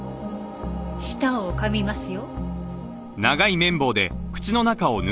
舌を噛みますよ。